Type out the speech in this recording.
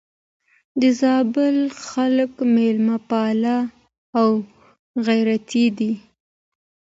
د زابل خلک مېلمه پال او غيرتي دي.